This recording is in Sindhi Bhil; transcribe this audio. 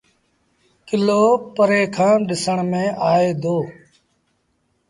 ڪلو پري کآݩ ڏسڻ ميݩ آئي دو۔